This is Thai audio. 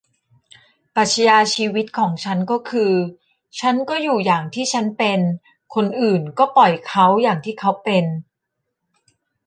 ปรัชญาชีวิตของฉันก็คือ ฉันก็อยู่อย่างที่ฉันเป็น คนอื่นก็ปล่อยเขาอย่างที่เขาเป็น